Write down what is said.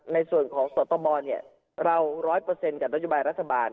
ในส่วนของสวรรค์ประมวลเรา๑๐๐กับรัฐดิบายรัฐบาล